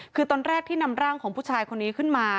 คือตอนแรกที่นำร่างของผู้ชายคนนี้ขึ้นมา